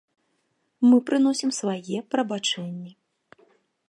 Мы прыносім свае прабачэнні.